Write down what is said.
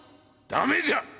ダメじゃ！